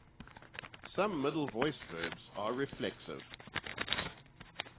Some middle voice verbs are reflexive.